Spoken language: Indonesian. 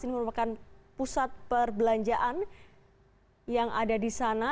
ini merupakan pusat perbelanjaan yang ada di sana